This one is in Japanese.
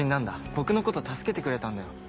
僕のこと助けてくれたんだよ。